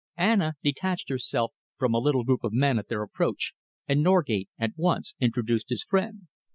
Anna detached herself from a little group of men at their approach, and Norgate at once introduced his friend.